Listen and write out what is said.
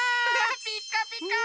ピカピカ！